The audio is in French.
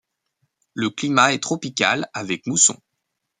Le climat est tropical avec mousson.